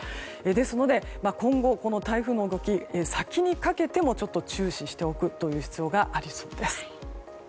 ですので、今後台風の動き、先にかけても注視しておく必要がありそうです。